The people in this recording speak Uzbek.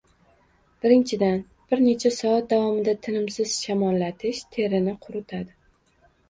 Birinchidan, bir necha soat davomida tinimsiz shamollatish terini quritadi.